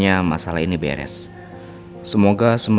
apa bapak ketangkep